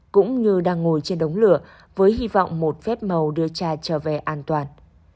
cũng như đang ngồi trên đống lửa với hy vọng một phép màu đưa cha trở về an toàn